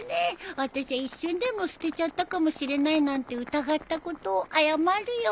わたしゃ一瞬でも捨てちゃったかもしれないなんて疑ったことを謝るよ。